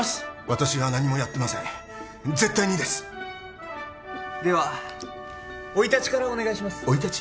私は何もやってません絶対にですでは生い立ちからお願いします生い立ち？